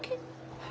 はい。